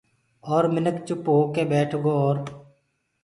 وو مِنک چُپ هوڪي ٻيٺگو اورَ